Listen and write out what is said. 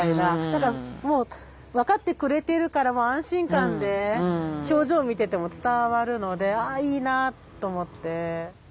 何かもう分かってくれてるから安心感で表情見てても伝わるのであいいなと思って。